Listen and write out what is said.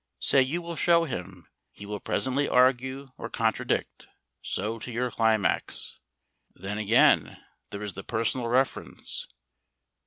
Say you will show him. He will presently argue or contradict. So to your climax. Then, again, there is the personal reference.